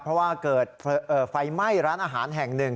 เพราะว่าเกิดไฟไหม้ร้านอาหารแห่งหนึ่ง